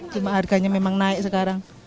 cuma harganya memang naik sekarang